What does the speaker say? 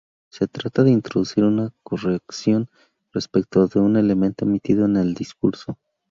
Se trata de introducir una corrección respecto de un elemento emitido en el discurso.